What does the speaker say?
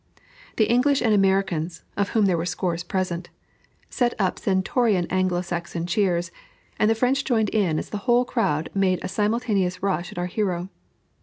The English and Americans, of whom there were scores present, set up stentorian Anglo Saxon cheers, and the French joined in as the whole crowd made a simultaneous rush at our hero.